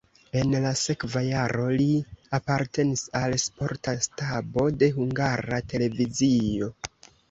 En la sekva jaro li apartenis al sporta stabo de Hungara Televizio.